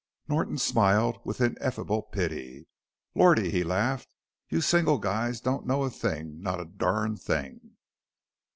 Norton smiled with ineffable pity. "Lordy!" he laughed; "you single guys don't know a thing not a durned thing!"